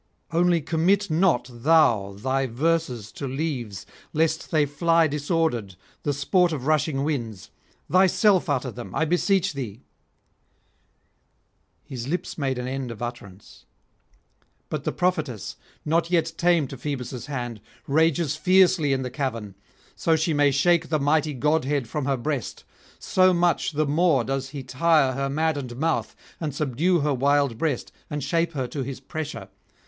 Only commit not thou thy verses to leaves, lest they fly disordered, the sport of rushing winds; thyself utter them, I beseech thee.' His lips made an end of utterance. But the prophetess, not yet tame to Phoebus' hand, rages fiercely in the cavern, so she may shake the mighty godhead from her breast; so much the more does he tire her maddened mouth and subdue her wild breast and shape her to his pressure.